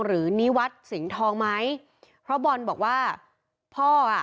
หรือนิวัฒน์สิงห์ทองไหมเพราะบอลบอกว่าพ่ออ่ะ